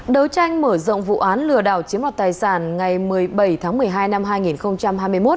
đấu tranh mở rộng vụ án lừa đảo chiếm đoạt tài sản ngày một mươi bảy tháng một mươi hai năm hai nghìn hai mươi một